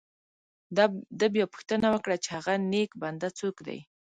ده بیا پوښتنه وکړه چې هغه نیک بنده څوک دی.